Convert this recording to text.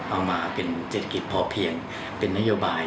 เอามาเป็นเศรษฐกิจพอเพียงเป็นนโยบาย